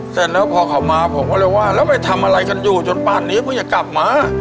แต่พอเขามาผมเอาแล้วว่าแล้วไหนทำอะไรกันอยู่จนบะหันนี้มันอย่ากลับมา